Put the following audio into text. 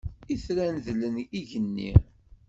Itran dlen igenni.